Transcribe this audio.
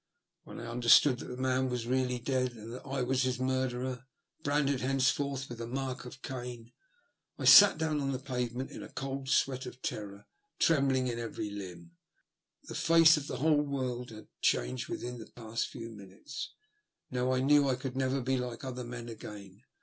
When I understood that the man was really dead, and that I was his murderer — branded henceforth with the mark of Gain — I sat down on the pavement in a cold sweat of terror, trembling in every limb. The face of the whole world had changed within the past few minutes — now I knew I could never be like other men again.